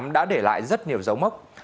đã để lại rất nhiều dấu mốc